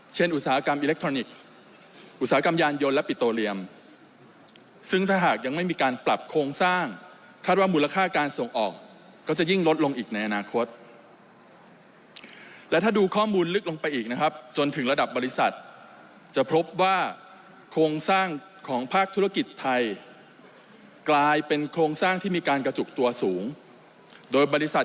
อุตสาหกรรมอิเล็กทรอนิกส์อุตสาหกรรมยานยนต์และปิโตเรียมซึ่งถ้าหากยังไม่มีการปรับโครงสร้างคาดว่ามูลค่าการส่งออกก็จะยิ่งลดลงอีกในอนาคตและถ้าดูข้อมูลลึกลงไปอีกนะครับจนถึงระดับบริษัทจะพบว่าโครงสร้างของภาคธุรกิจไทยกลายเป็นโครงสร้างที่มีการกระจุกตัวสูงโดยบริษัท